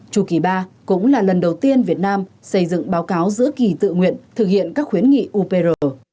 chu kỳ ba cũng là lần đầu tiên việt nam xây dựng báo cáo giữa kỳ tự nguyện thực hiện các khuyến nghị upr